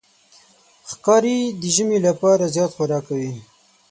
ښکاري د ژمي لپاره زیات خوراک کوي.